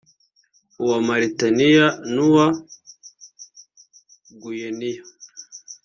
uwa Mauritania n’uwa Guinea